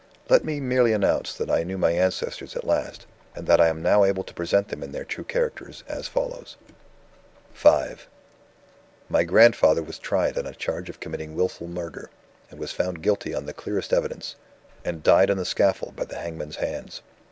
Let me merely announce that I knew my ancestors at last, and that I am now able to present them in their true characters, as follows: V "My grandfather was tried on a charge of committing willful murder was found guilty on the clearest evidence and died on the scaffold by the hangman's hands.